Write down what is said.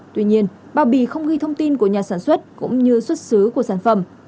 tuy nhiên bao bì không ghi thông tin của nhà sản xuất cũng như xuất xứ của sản phẩm